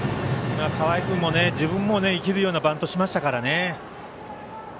河合君も自分がいけるようなバントしましたから。